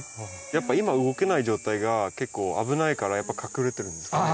やっぱ今動けない状態が結構危ないからやっぱ隠れてるんですかね。